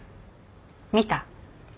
見た？